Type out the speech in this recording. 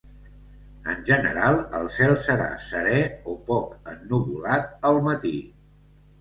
En general el cel serà serè o poc ennuvolat al matí.